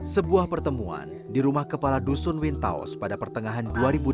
sebuah pertemuan di rumah kepala dusun wintaos pada pertengahan dua ribu delapan belas